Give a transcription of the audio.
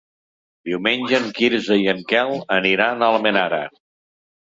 Diumenge en Quirze i en Quel aniran a Almenara.